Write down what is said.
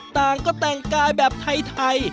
ต่างก็แต่งกายแบบไทย